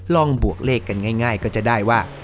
บวกเลขกันง่ายก็จะได้ว่า